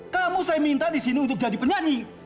kamu saya minta di sini untuk jadi penyanyi